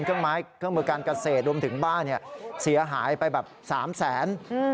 เครื่องมือการเกษตรรวมถึงบ้านเสียหายไปแบบ๓แสน